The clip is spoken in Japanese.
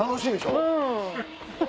うん。